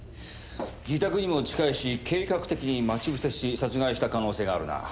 自宅にも近いし計画的に待ち伏せし殺害した可能性があるな。